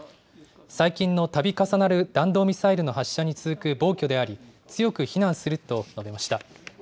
最近のたび重なる弾道ミサイルの発射に続く暴挙であり強く非難すると述べました。